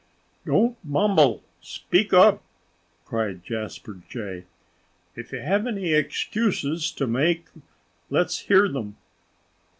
"Don't mumble! Speak up!" cried Jasper Jay. "If you have any excuses to make, let's hear them!"